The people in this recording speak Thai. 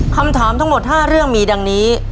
คำถามทั้งหมด๕เรื่องมีดังนี้